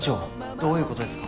どういうことですか？